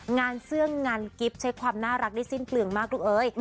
งานเสื้องงานกิ๊บใช้ความน่ารักได้สิ้นเปลืองมากลูกเอ้ย